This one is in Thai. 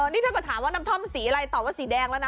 นี่ถ้าเกิดถามว่าน้ำท่อมสีอะไรตอบว่าสีแดงแล้วนะ